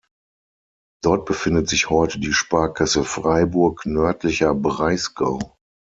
Dort befindet sich heute die Sparkasse Freiburg-Nördlicher Breisgau.